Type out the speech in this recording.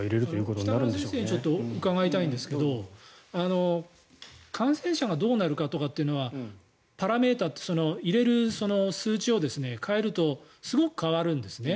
北村先生にちょっとお伺いしたいんですが感染者がどうなるかというのはパラメーターって入れる数値を変えるとすごく変わるんですよね。